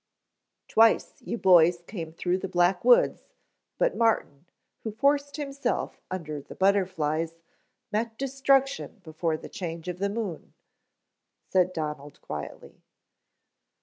"Twice you boys came through the Black Woods, but Martin, who forced himself under the butterflies, met destruction before the change of the moon," said Donald quietly.